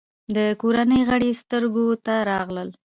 د کورنۍ غړي سترګو ته راغلل.